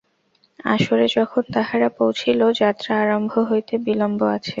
আসরে যখন তাহারা পৌছিল, যাত্রা আরম্ভ হইতে বিলম্ব আছে।